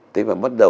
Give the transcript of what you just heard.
thế và bắt đầu